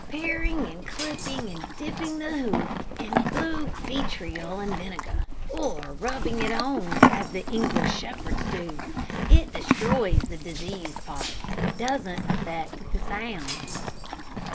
"Paring and clipping, and dipping the hoof in blue vitriol and vinegar, or rubbing it on, as the English shepherds do. It destroys the diseased part, but doesn't affect the sound."